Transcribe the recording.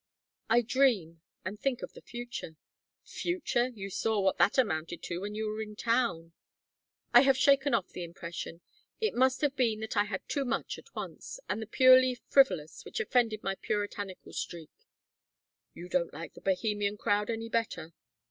"I dream and think of the future." "Future? You saw what that amounted to when you were in town " "I have shaken off the impression. It must have been that I had too much at once and the purely frivolous, which offended my puritanical streak " "You don't like the Bohemian crowd any better."